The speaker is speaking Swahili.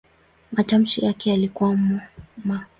Matamshi yake yalikuwa "m".